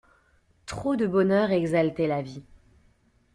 Trop de bonheur exaltait la vie.